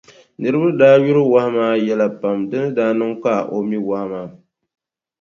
Niriba daa yuri wahu maa yɛlli pam di ni daa niŋ ka o mi waa maa.